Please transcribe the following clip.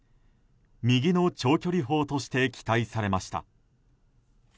右の長距離砲として期待されました。